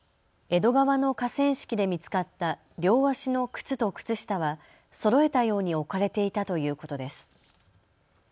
江戸川の河川敷で見つかった両足の靴と靴下はそろえたように置かれていたということです。